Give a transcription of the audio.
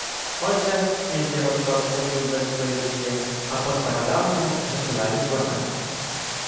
Отже, князі ростовсько-суздальської землі, а по-стародавньому – «государі» племен